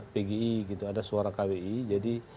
pgi gitu ada suara kwi jadi